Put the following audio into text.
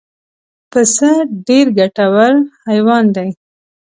پسه ډېر ګټور حیوان دی.